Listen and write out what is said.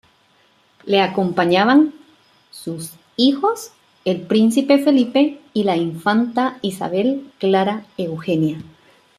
Le acompañaban sus hijos el príncipe Felipe y la infanta Isabel Clara Eugenia.